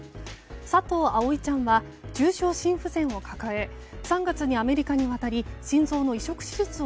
佐藤葵ちゃんは重症心不全を抱え３月にアメリカに渡り心臓の移植手術を